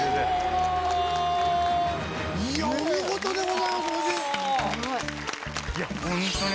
お見事でございます夫人。